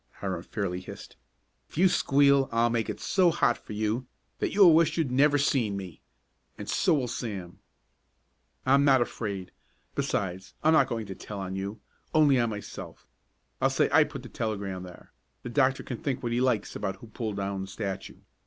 Hiram fairly hissed. "If you squeal I'll make it so hot for you that you'll wish you'd never seen me and so will Sam." "I'm not afraid! Besides I'm not going to tell on you only on myself. I'll say I put the telegram there. The doctor can think what he likes about who pulled down the statue.